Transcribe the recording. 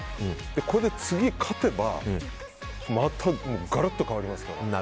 これで次、勝てばまたガラッと変わりますから。